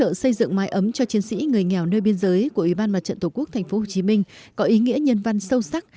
hỗ trợ xây dựng máy ấm cho chiến sĩ người nghèo nơi biên giới của ủy ban mặt trận tổ quốc tp hcm có ý nghĩa nhân văn sâu sắc